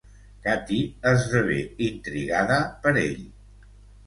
Cathy esdevé intrigada per ell.